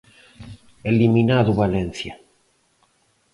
Eliminado o Valencia.